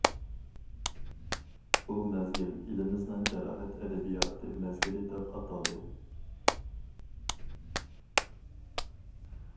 بۇ مەزگىل ئېلىمىزنىڭ جاراھەت ئەدەبىياتى مەزگىلى دەپ ئاتالدى.